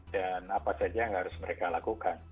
apa saja yang harus mereka lakukan